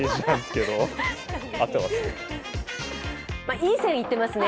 いい線いってますね。